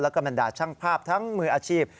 และกำลังดาช่างภาพทั้งมืออาชีพ